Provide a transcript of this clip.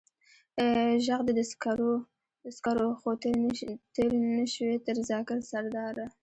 ژغ دې د سکر و، خو تېر نه شوې تر ذاکر سرداره.